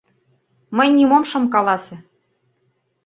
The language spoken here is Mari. Мый нимом шым каласе.